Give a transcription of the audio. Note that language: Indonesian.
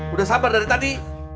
udah sabar dari tadi